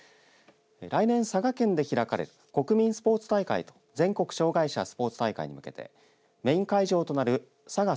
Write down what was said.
来年佐賀県で開かれる国民スポーツ大会全国障害者スポーツ大会に向けてメイン会場となるＳＡＧＡ